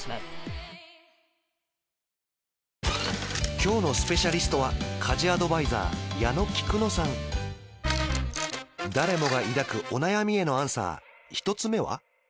今日のスペシャリストは誰もが抱くお悩みへのアンサー一つ目は？